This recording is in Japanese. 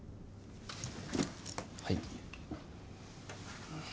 はい。